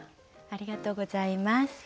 ありがとうございます。